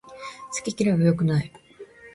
好き嫌いは良くない